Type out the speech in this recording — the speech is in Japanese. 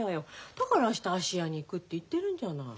だから明日芦屋に行くって言ってるんじゃない。